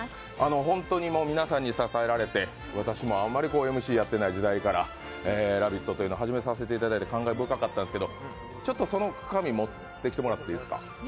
本当に皆さんに支えられて、私もＭＣやっていない時代から「ラヴィット！」というのを始めさせていただいて感慨深かったんですけどちょっとその紙、持ってきてもらっていいですか。